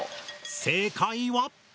正解は。